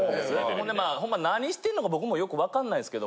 ほんでまあほんま何してんのか僕もよく分かんないんすけど。